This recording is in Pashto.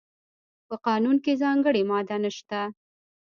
په قانون کې ځانګړې ماده نشته.